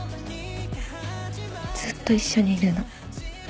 ずっと一緒にいるの。